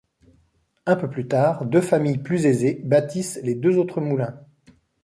Un peu plus tard, deux familles plus aisées bâtissent les deux autres moulins.